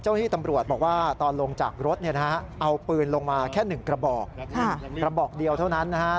เอาปืนลงมาแค่๑กระบอก๕กระบอกเดียวเท่านั้นนะครับ